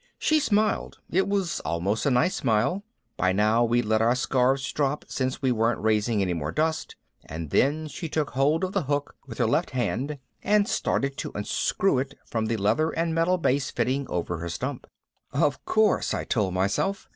She smiled, it was almost a nice smile by now we'd let our scarves drop since we weren't raising any more dust and then she took hold of the hook with her left hand and started to unscrew it from the leather and metal base fitting over her stump. Of course, I told myself.